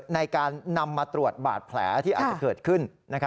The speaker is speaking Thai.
ในการนำมาตรวจบาดแผลที่อาจจะเกิดขึ้น